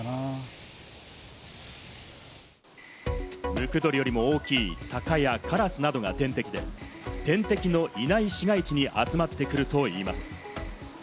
ムクドリよりも大きいタカやカラスなどが天敵で天敵のいない市街地に集まってくるといいます。